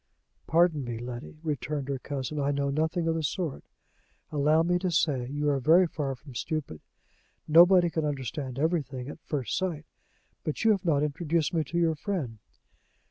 "Pardon me, Letty," returned her cousin, "I know nothing of the sort. Allow me to say you are very far from stupid. Nobody can understand everything at first sight. But you have not introduced me to your friend."